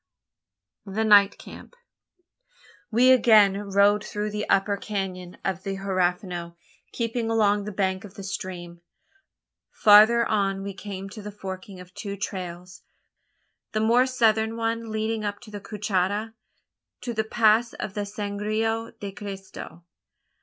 THE NIGHT CAMP. We again rode through the upper canon of the Huerfano, keeping along the bank of the stream. Farther on we came to the forking of two trails the more southern one leading up to the Cuchada, to the pass of Sangre de Cristo.